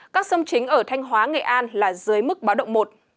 các sông chính ở thanh hóa nghệ an là dưới mức báo động một